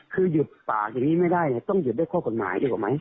คือหยุดปากอย่างนี้ไม่ได้เนี่ยต้องหยุดด้วยข้อกฎหมายดีกว่าไหม